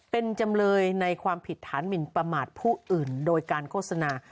เป็นจำเลยในความผิดฐานหมินประมาทผู้อื่นโดยการโฆษณา